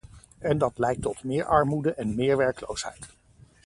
En dat leidt tot meer armoede en meer werkloosheid.